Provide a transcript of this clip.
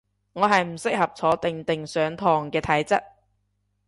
我係唔適合坐定定上堂嘅體質